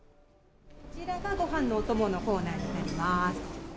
こちらがご飯のお供のコーナーになります。